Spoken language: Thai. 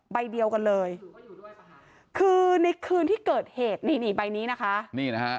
ใบเดียวกันเลยคือในคืนที่เกิดเหตุนี่นี่ใบนี้นะคะนี่นะฮะ